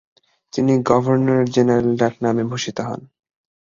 তিনি ‘গভর্নর-জেনারেল’ ডাকনামে ভূষিত হন।